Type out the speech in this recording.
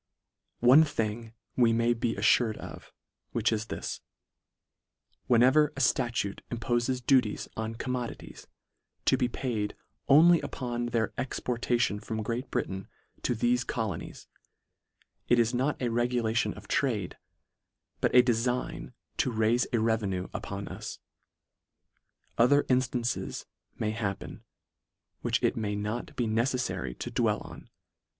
One thing we may be affured of, which is this ; when ever a ftatute impofes duties on commodities, to be paid only upon their exportation from Great Britain to thefe colonies, it is not a regulation of trade, but a delign to raife a revenue upon us. Other instances may hap pen, which it may not be neceffary to dwell on.